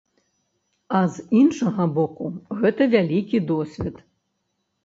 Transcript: А з іншага боку, гэта вялікі досвед.